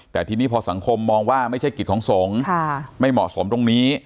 แต่ทีนี้พอสังคมมองว่าไม่ใช่กิจของสงฆ์ไม่เหมาะสมตรงนี้